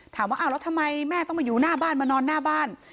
ถามว่าอ้าวแล้วทำไมแม่ต้องมาอยู่หน้าบ้านมานอนหน้าบ้าน